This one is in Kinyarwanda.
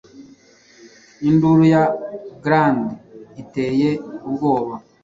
Induru ya Grendel iteye ubwoba